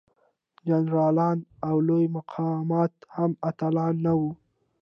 جنرالان او لوی مقامات هم اتلان نه وو.